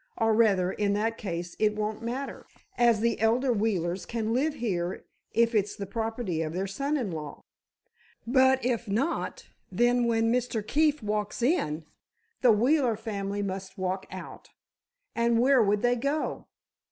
Or, rather, in that case, it won't matter, as the elder Wheelers can live here if it's the property of their son in law. But, if not, then when Mr. Keefe walks in—the Wheeler family must walk out. And where would they go?"